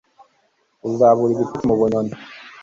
uzabura ibitotsi mu bunyoni